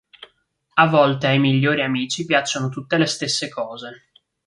A volte ai migliori amici piacciono tutte le stesse cose.